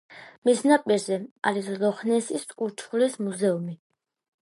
მის ნაპირზე არის ლოხ-ნესის ურჩხულის მუზეუმი.